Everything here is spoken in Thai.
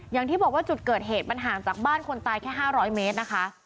อย่างที่บอกว่าจุดเกิดเหตุมันห่างจากบ้านคนตายแค่๕๐๐เมตรนะคะ